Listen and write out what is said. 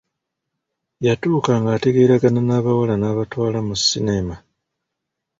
Yatuuka ng'ategeeragana n'abawala n'abatwala mu sinema.